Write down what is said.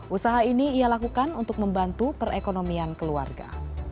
usaha ini ia lakukan untuk membantu perekonomian keluarga